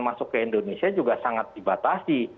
masuk ke indonesia juga sangat dibatasi